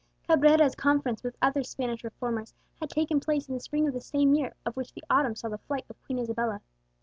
Cabrera's conference with other Spanish reformers had taken place in the spring of the same year of which the autumn saw the flight of Queen Isabella.